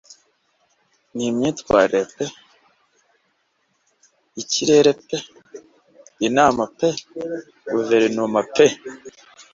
N'imyitwarire pe ikirere pe inama pe guverinoma pe